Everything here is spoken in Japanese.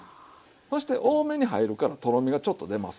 そして多めに入るからとろみがちょっと出ます。